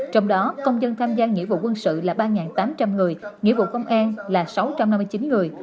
trong đó công dân tham gia nghĩa vụ quân sự là ba tám trăm linh người nghĩa vụ công an là sáu trăm năm mươi chín người